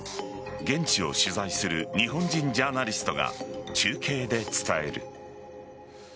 現地を取材する日本人ジャーナリストが中継で伝える。